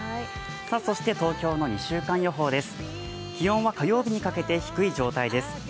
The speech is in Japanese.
そして、東京の２週間予報です。